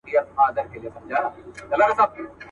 د ړندو په ښار کي وېش دی چي دا چور دی .